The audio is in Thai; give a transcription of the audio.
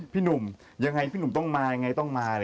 พี่หนุ่มยังไงพี่หนุ่มต้องมายังไงต้องมา